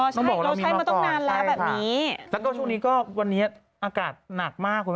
ใช่เราใช้มาตั้งนานแล้วแบบนี้แล้วก็ช่วงนี้ก็วันนี้อากาศหนักมากคุณ